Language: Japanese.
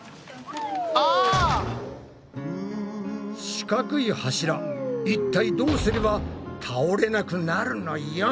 四角い柱いったいどうすれば倒れなくなるのよん！